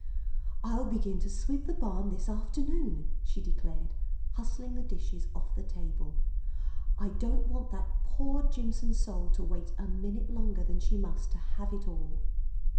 "I'll begin to sweep the barn this afternoon," she declared, hustling the dishes off the table. "I don't want that poor Jimson soul to wait a minute longer than she must to have it all."